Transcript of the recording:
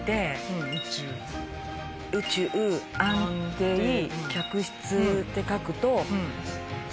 「宇宙」「安定」「客室」って書くと。